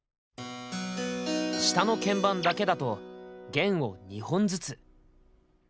下の鍵盤だけだと弦を２本ずつ。